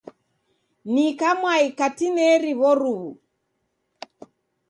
Ni kamwai katineri w'oruw'u.